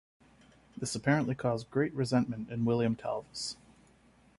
This apparently caused great resentment in William Talvas.